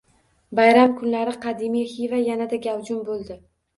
Bayram kunlari qadimiy Xiva yanada gavjum bo‘ldi